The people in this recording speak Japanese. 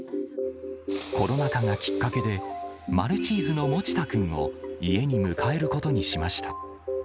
コロナ禍がきっかけで、マルチーズのもちた君を、家に迎えることにしました。